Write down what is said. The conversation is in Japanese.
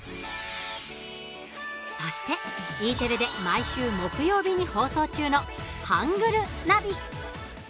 そして、Ｅテレで毎週木曜日に放送中の「ハングルッ！ナビ」。